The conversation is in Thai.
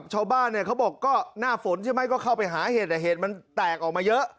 จิ๊วเขาบ้างดั่งที่นี่ม่อนมีตาดิ